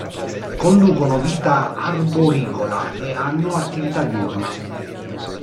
Conducono vita arboricola e hanno attività diurna.